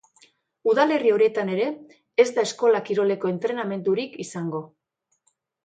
Udalerri horietan ere, ez da eskola-kiroleko entrenamendurik izango.